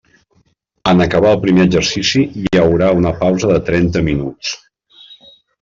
En acabar el primer exercici hi haurà una pausa de trenta minuts.